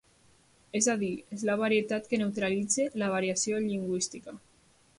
És a dir, és la varietat que neutralitza la variació lingüística.